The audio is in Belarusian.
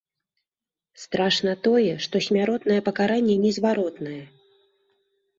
Страшна тое, што смяротнае пакаранне незваротнае.